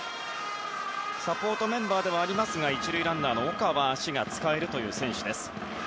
サポートメンバーではありますが１塁ランナーの岡は足が使えるという選手です。